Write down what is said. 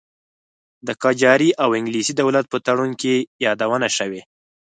د قاجاري او انګلیسي دولت په تړون کې یادونه شوې.